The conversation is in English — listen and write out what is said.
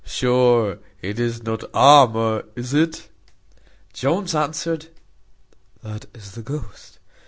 Sure it is not armour, is it?" Jones answered, "That is the ghost."